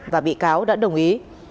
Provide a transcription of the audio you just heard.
và bị cáo đã đồng ý